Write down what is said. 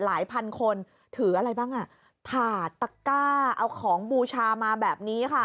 พันคนถืออะไรบ้างอ่ะถาดตะก้าเอาของบูชามาแบบนี้ค่ะ